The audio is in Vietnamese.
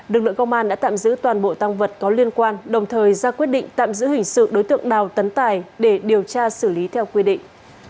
lực lượng công an đã tạm giữ toàn bộ tăng vật có liên quan đồng thời ra quyết định tạm giữ hình sự đối tượng đào tấn tài để điều tra xử lý theo quy định